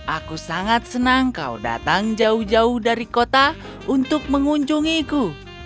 aku sangat senang kau datang jauh jauh dari kota untuk mengunjungiku